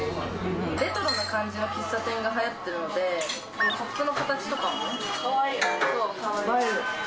レトロな感じの喫茶店がはやってるので、カップの形とかもかわいい。